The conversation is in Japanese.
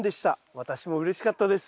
私もうれしかったです。